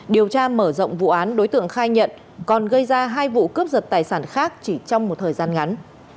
điều tra mở rộng vụ án đối tượng khai nhận còn gây ra hai vụ cướp giật tài sản khác chỉ trong một thời gian ngắn